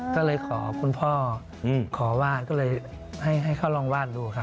ก็เลยขอคุณพ่อขอวาดก็เลยให้เขาลองวาดดูครับ